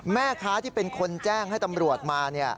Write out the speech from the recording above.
แม่ค้าที่เป็นคนแจ้งให้ตำรวจมา